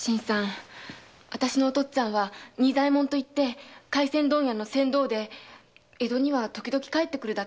お父っつぁんは仁左衛門といって廻船問屋の船頭で江戸には時々帰ってくるだけなんです。